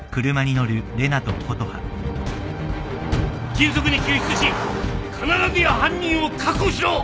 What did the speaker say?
迅速に救出し必ずや犯人を確保しろ。